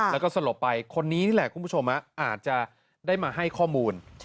แล้วก็สลบไปคนนี้นี่แหละคุณผู้ชมอาจจะได้มาให้ข้อมูล